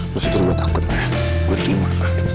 lo sumpah gue takut man gue terima